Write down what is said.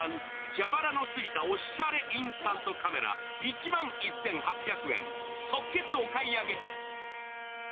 蛇腹のづいたおしゃれインスタントカメラ、１万１８００円、即決お買い上げ。